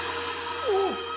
おっ！